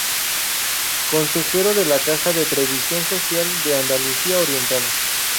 Consejero de la Caja de Previsión Social de Andalucía Oriental.